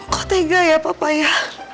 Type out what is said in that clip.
kok tega ya papa ya